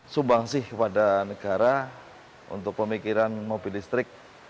sumbang sih kepada negara untuk pemikiran mobil listrik